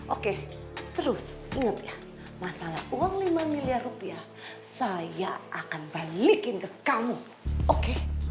oke terus ingat ya masalah uang lima miliar rupiah saya akan balikin ke kamu oke